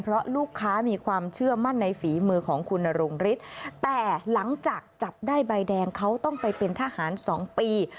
เพราะลูกค้ามีความเชื่อมั่นในฝีมือของคุณนรงฤทธิ์แต่หลังจากจับได้ใบแดงเขาต้องไปเป็นทหาร๒ปี